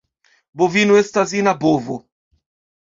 Bovino estas ina bovo.